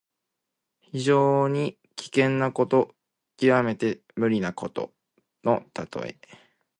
非常に危険なこと、きわめて無理なことのたとえ。